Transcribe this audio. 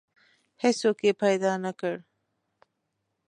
هیڅوک یې پیدا نه کړ.